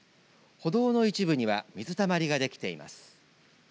歩道の一部には水たまりができています。